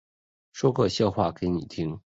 说个笑话给你听